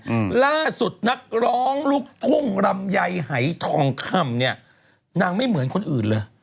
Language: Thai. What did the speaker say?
อืมล่าสุดนักร้องลูกทุ่งลำไยหายทองคำเนี้ยนางไม่เหมือนคนอื่นเลย